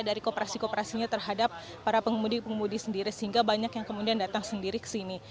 dari kooperasi kooperasinya terhadap para pengemudi pengemudi sendiri sehingga banyak yang kemudian datang sendiri ke sini